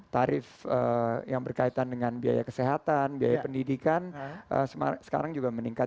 tarif yang berkaitan dengan biaya kesehatan biaya pendidikan sekarang juga meningkat